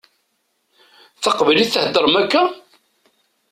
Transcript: D taqbaylit i theddṛemt akka?